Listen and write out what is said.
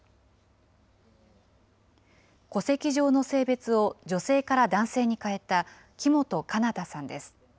戸籍上の性別を女性から男性に変えた木本奏太さんです。